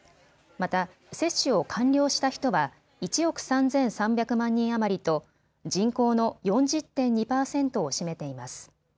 また、接種を完了した人は１億３３００万人余りと人口の４０．２％を占めています。